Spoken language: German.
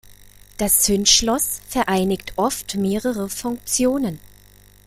Das Zündschloss vereinigt oft mehrere Funktionen.